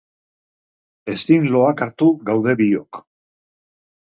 Ezin loak hartu gaude biok.